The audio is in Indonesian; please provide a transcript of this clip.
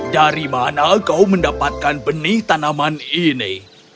dari mana kau mendapatkan benih tanaman ini